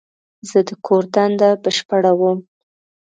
زه د کور دنده بشپړوم.